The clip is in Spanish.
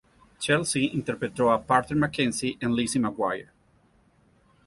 Chelsea interpretó a Parker McKenzie en Lizzie McGuire.